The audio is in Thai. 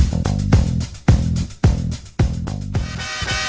โปรดติดตามตอนต่อไป